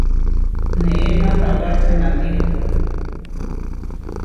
Neé Mahawá čanawíro.